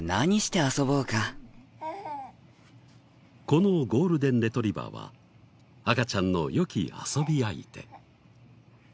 このゴールデンレトリバーは赤ちゃんの良き遊び相手。